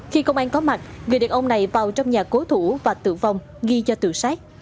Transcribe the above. khi công an có mặt người đàn ông này vào trong nhà cố thủ và tử vong ghi cho tự sát